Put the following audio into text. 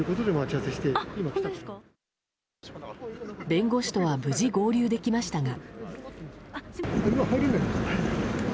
弁護士とは無事合流できましたが。